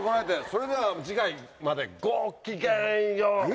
それでは次回までごきげんよう！」。